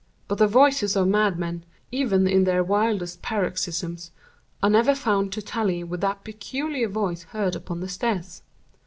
But the voices of madmen, even in their wildest paroxysms, are never found to tally with that peculiar voice heard upon the stairs.